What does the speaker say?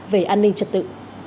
về an ninh trật tự